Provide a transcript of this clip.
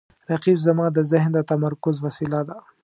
رقیب زما د ذهن د تمرکز وسیله ده